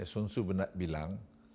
sun tzu bilang